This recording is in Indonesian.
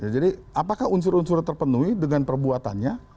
jadi apakah unsur unsurnya terpenuhi dengan perbuatannya